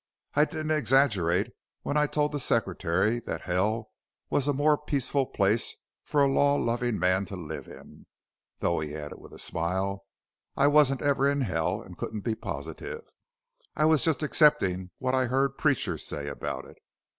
I didn't exaggerate when I told the Secretary that hell was a more peaceful place for a law loving man to live in. Though," he added with a smile, "I wasn't ever in hell and couldn't be positive. I was just accepting what I've heard preachers say about it.